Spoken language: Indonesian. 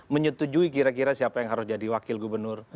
menyetujui kira kira siapa yang harus jadi wakil gubernur